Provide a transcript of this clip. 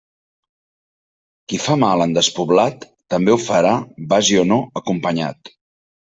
Qui fa mal en despoblat, també ho farà vagi o no acompanyat.